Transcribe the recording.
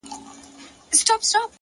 هره پرېکړه نوی مسیر جوړوي’